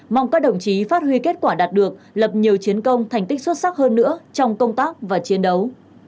mong các đồng chí phát huy kết quả đạt được lập nhiều chiến công thành tích xuất sắc hơn nữa trong công tác và chiến đấu